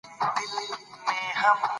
د دې پوښتنې ځواب پیدا کړه.